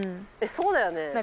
そうだよね。